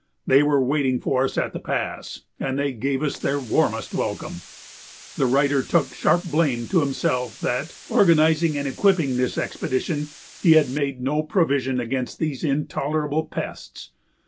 They were waiting for us at the pass and they gave us their warmest welcome. The writer took sharp blame to himself that, organizing and equipping this expedition, he had made no provision against these intolerable pests.